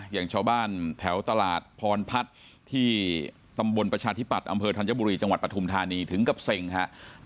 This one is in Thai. อย่างชาวบ้านแถวตลาดพรพัฒน์ที่ตำบลประชาธิปัตย์อำเภอธัญบุรีจังหวัดปฐุมธานีถึงกับเซ็งครับ